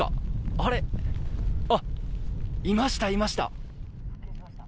あ、いました、いました。